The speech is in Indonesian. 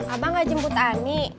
abang gak jemput ani